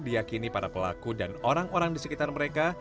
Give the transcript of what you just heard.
diakini para pelaku dan orang orang di sekitar mereka